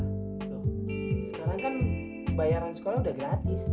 sekarang kan bayaran sekolah udah gratis